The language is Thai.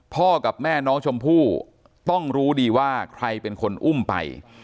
พ่อกับแม่น้องชมพู่ต้องรู้ดีว่าใครเป็นคนอุ้มไป